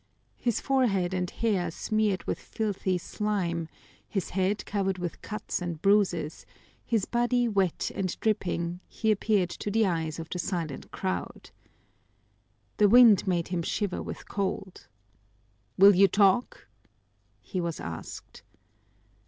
His forehead and hair smeared with filthy slime, his face covered with cuts and bruises, his body wet and dripping, he appeared to the eyes of the silent crowd. The wind made him shiver with cold. "Will you talk?" he was asked.